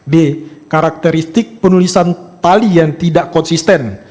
d karakteristik penulisan tali yang tidak konsisten